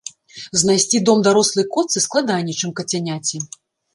Знайсці дом дарослай котцы складаней, чым кацяняці.